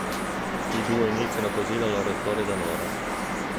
I due iniziano così la loro storia d'amore.